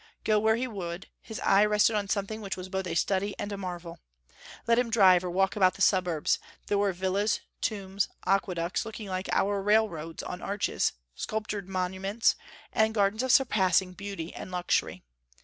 Go where he would, his eye rested on something which was both a study and a marvel. Let him drive or walk about the suburbs, there were villas, tombs, aqueducts looking like our railroads on arches, sculptured monuments, and gardens of surpassing beauty and luxury.